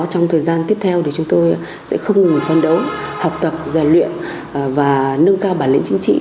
trong thời gian tiếp theo thì chúng tôi sẽ không ngừng phân đấu học tập giàn luyện và nâng cao bản lĩnh chính trị